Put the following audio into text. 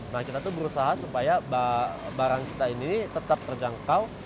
nah kita tuh berusaha supaya barang kita ini tetap terjangkau